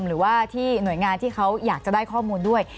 หรือว่าที่หน่วยงานที่เขาอยากจะได้ข้อมูลด้วย